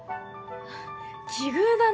奇遇だね